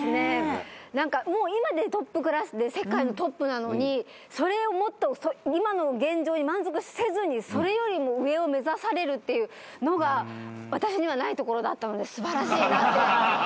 今でトップクラスで世界のトップなのにそれをもっと今の現状に満足せずにそれよりも上を目指されるっていうのが私にはないところだったので素晴らしいなって。